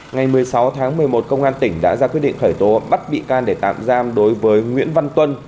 ngày một mươi sáu tháng một mươi một công an tỉnh đã ra quyết định khởi tố bắt bị can để tạm giam đối với nguyễn văn tuân